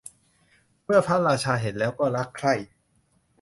เมื่อพระราชาเห็นแล้วก็รักใคร่